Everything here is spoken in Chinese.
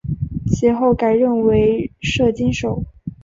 其后改任为摄津守。